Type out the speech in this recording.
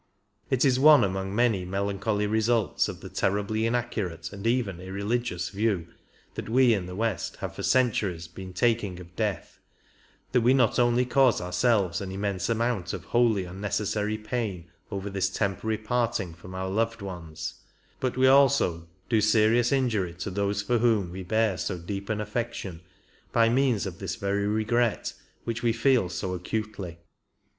It is one among many melancholy results of the terribly inaccurate and even irreligious view that we in the West have for centuries been taking of death, that we not only cause ourselves an immense amount of wholly unnecessary pain over this temporary parting from our loved ones, but we often also do serious injury to those for whom we bear so deep an affection by means of this very regret which we feel so acutely.